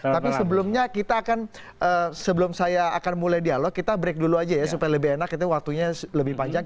tapi sebelumnya kita akan sebelum saya akan mulai dialog kita break dulu aja ya supaya lebih enak waktunya lebih panjang